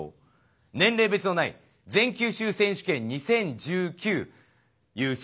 年齢別のない全九州選手権２０１９優勝。